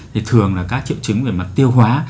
thì thường là các triệu chứng về mặt tiêu hóa